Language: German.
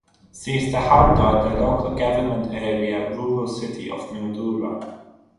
Sie ist der Hauptort der Local Government Area Rural City of Mildura.